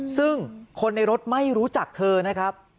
ซึ่งคนในรถไม่รู้จักเธอนะครับ